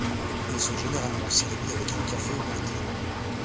Ils sont généralement servis avec un café ou un thé.